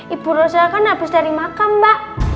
ibu rosa kan habis dari makam mbak